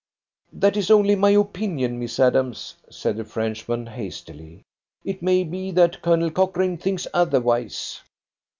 "That is only my opinion, Miss Adams," said the Frenchman hastily. "It may be that Colonel Cochrane thinks otherwise."